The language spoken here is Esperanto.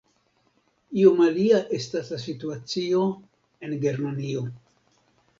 Iom alia estas la situacio en Germanio.